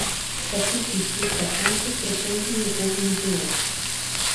І пакуль ішлі працэнты, прэтэнзій ні ў кога не было.